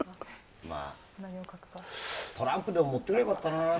トランプでも持ってくりゃよかったな。